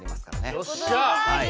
よっしゃ！